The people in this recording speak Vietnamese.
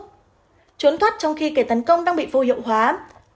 trốn thoát trong khi kẻ tấn công đang bị vô hiệu hóa